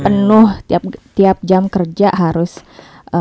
penuh tiap jam kerja harus perjuangan gitu ya